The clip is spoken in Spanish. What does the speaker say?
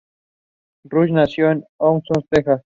Rush nació en Houston, Texas.